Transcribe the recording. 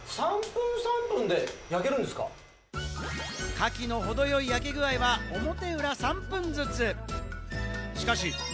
カキの程よい焼け具合は表裏３分ずつ。